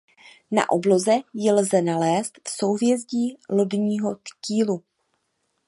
Na obloze ji lze nalézt v souhvězdí Lodního kýlu.